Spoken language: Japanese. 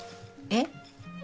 「えっ？」